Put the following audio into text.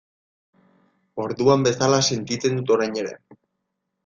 Orduan bezala sentitzen dut orain ere.